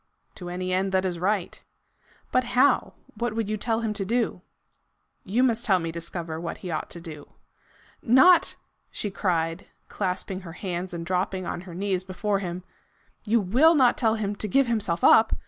"To any end that is right." "But how? What would you tell him to do?" "You must help me to discover what he ought to do." "Not " she cried, clasping her hands and dropping on her knees before him, " you WILL not tell him to give himself up?